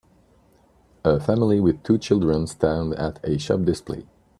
A family with two children stand at a shop display.